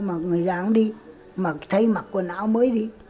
mà người già không đi mà thay mặc quần áo mới đi